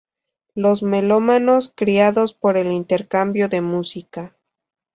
Los melómanos criados por el intercambio de música